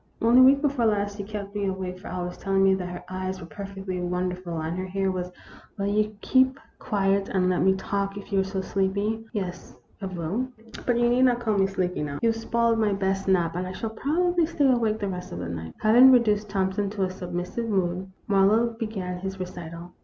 Only week before last you kept me awake for hours telling me that her eyes were perfectly wonderful and her hair was " Will you keep quiet and let me talk, if you are so sleepy ?" "Yes, I will. But you need not call me sleepy now. You 've spoiled my best nap and I shall prob ably stay awake the rest of the night." Having reduced Thompson to a submissive mood, Marlowe began his recital.